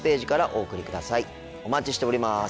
お待ちしております。